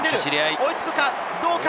追い付くかどうか。